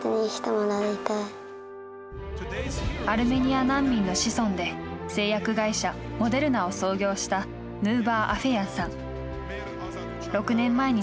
アルメニア難民の子孫で製薬会社モデルナを創業したヌーバー・アフェヤンさん。